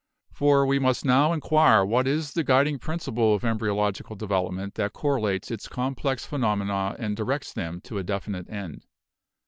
For we must now inquire what is the guiding principle of embryological develop ment that correlates its complex phenomena and directs them to a definite end.